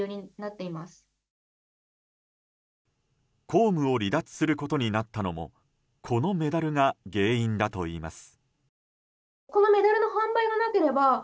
公務を離脱することになったのもこのメダルが原因だといいます。